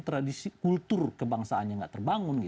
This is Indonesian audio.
tradisi kultur kebangsaannya nggak terbangun